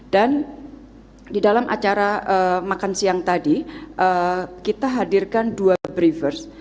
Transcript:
dan di dalam acara makan siang tadi kita hadirkan dua brevers